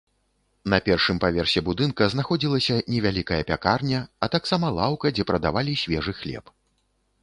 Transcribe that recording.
На першым паверсе будынка знаходзілася невялікая пякарня, а таксама лаўка, дзе прадавалі свежы хлеб.